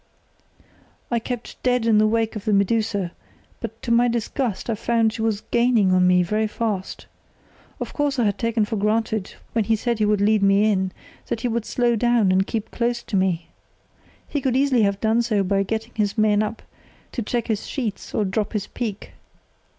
"I kept dead in the wake of the Medusa, but to my disgust I found she was gaining on me very fast. Of course I had taken for granted, when he said he would lead me in, that he would slow down and keep close to me. He could easily have done so by getting his men up to check his sheets or drop his peak.